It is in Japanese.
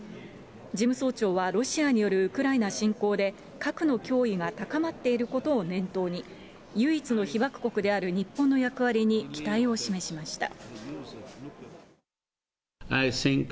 事務総長はロシアによるウクライナ侵攻で、核の脅威が高まっていることを念頭に、唯一の被爆国である日本の役割に期待を示しました。